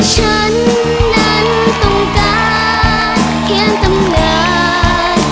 ฉันนั้นต้องการเพียงตำนาน